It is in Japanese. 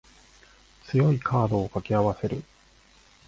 強いカードを掛け合わせる